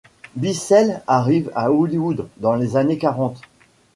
Bissell arrive à Hollywood dans les années quarante.